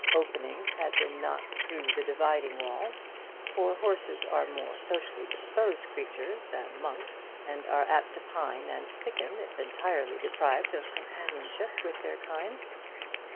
Openings had been knocked through the dividing walls; for horses are more socially disposed creatures than monks, and are apt to pine and sicken if entirely deprived of companionship with their kind.